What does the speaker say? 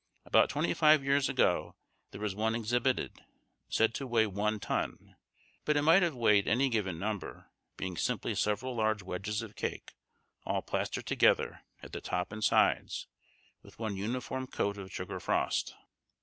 About twenty five years ago there was one exhibited, said to weigh one ton, but it might have weighed any given number, being simply several large wedges of cake, all plastered together, at the top and sides, with one uniform coat of sugar frost.